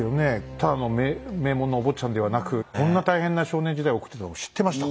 ただの名門のお坊ちゃんではなくこんな大変な少年時代を送ってたこと知ってましたか？